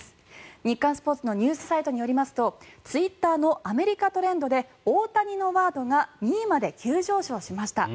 日刊スポーツのニュースサイトによりますとツイッターのアメリカトレンドで「Ｏｈｔａｎｉ」のワードが２位まで急上昇しました。